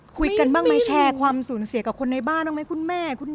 คุยกันบ้างไหมแชร์ความสูญเสียกับคนในบ้านบ้างไหมคุณแม่